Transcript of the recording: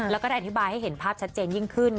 แล้วก็ได้อธิบายให้เห็นภาพชัดเจนยิ่งขึ้น